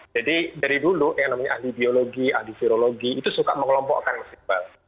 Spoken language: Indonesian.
jadi dari dulu yang namanya ahli biologi ahli virologi itu suka mengelompokkan mas iqbal